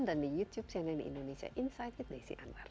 dan di youtube cnn indonesia insight with desi anwar